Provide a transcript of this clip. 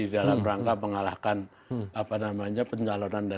dalam rangka pengalahkan apa namanya pencalonan dari